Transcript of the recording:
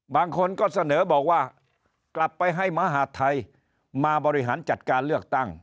บางคนก็เสนอบอกว่ากลับไปให้มหาดไทยมาบริหารจัดการเลือกตั้ง